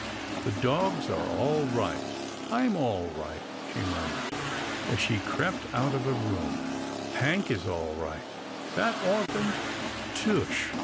" The dogs are all right, I'm all right," she mur mured, as she crept out of the room, " Hank is all right — That orphan — tush